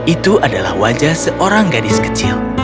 itu adalah wajah seorang gadis kecil